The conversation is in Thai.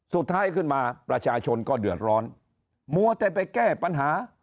สุดท้ายขึ้นมาประชาชนก็เดือดร้อนมัวแต่ไปแก้ปัญหา